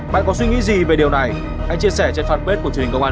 bạn có suy nghĩ gì về điều này hãy chia sẻ trên fanpage của truyền hình công an